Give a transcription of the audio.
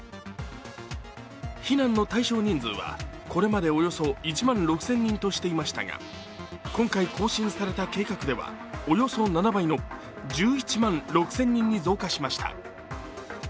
避難の対象人数はこれまでおよそ１万６０００人としてきましたが今回更新された計画ではおよそ７倍の１１万６０００人に増加しました。